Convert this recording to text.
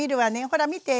ほら見て。